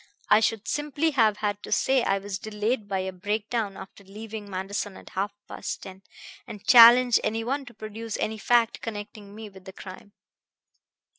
I should simply have had to say I was delayed by a break down after leaving Manderson at half past ten, and challenged any one to produce any fact connecting me with the crime.